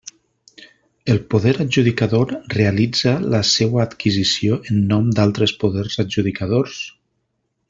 El poder adjudicador realitza la seua adquisició en nom d'altres poders adjudicadors?